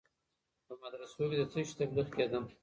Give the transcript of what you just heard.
په مدرسو کي د څه سي تبلیغ کیده؟